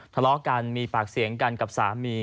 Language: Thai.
ทะเลาะกันมีปากเสียงกันกับสามี